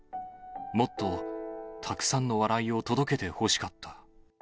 もっと、たくさんの笑いを届けてほしかった。